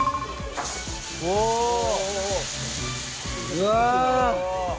うわ！